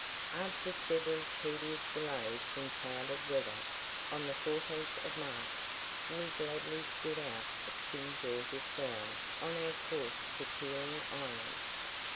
After several tedious delays from clouded weather, on the 14th of March, we gladly stood out of King George's Sound on our course to Keeling Island.